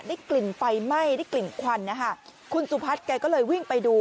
ได้กลิ่นไฟไหม้ได้กลิ่นควันคุณสุภัทรก็เลยวิ่งไปดู